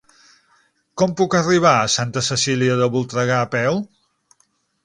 Com puc arribar a Santa Cecília de Voltregà a peu?